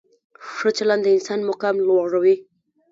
ښه چلند د انسان مقام لوړوي.